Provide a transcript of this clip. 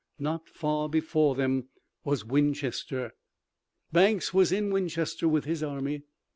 Not far before them was Winchester. Banks was in Winchester with his army.